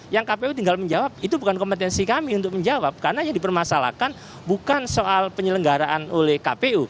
yang kpu tinggal menjawab itu bukan kompetensi kami untuk menjawab karena yang dipermasalahkan bukan soal penyelenggaraan oleh kpu